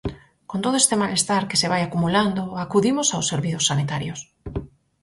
Con todo este malestar que se vai acumulando, acudimos aos servizos sanitarios.